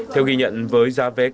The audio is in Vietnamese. theo ghi nhận với giá vé máy bay